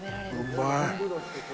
うまい。